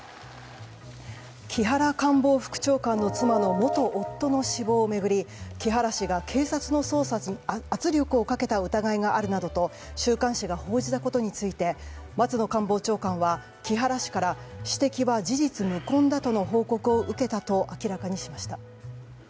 木原官房副長官の妻の元夫の死亡を巡り木原氏が警察の捜査に圧力をかけた疑いがあるなどと週刊誌が報じたことについて松野官房長官は木原氏から指摘は事実無根だとの報告を受けたと明らかにしました。